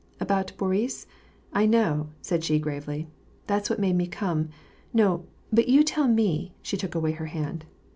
" About Boris ? I know," said she gravely. " That's what made me come. No, but you t.ell me;" she took away her band.